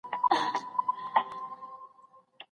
چېري سیمه ییز دودونه پالل کیږي؟